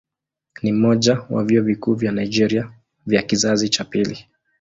Ni mmoja ya vyuo vikuu vya Nigeria vya kizazi cha pili.